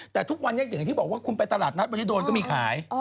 แต่ทุกวันนี้อย่างที่บอกว่าคุณไปตลาดนัดวันนี้โดนก็มีขาย